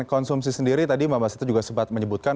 konsumsi sendiri tadi bapak masita juga sempat menyebutkan